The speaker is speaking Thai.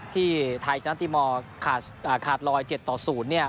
ที่ไทยชนะตีมอลขาดรอย๗ต่อ๐เนี่ย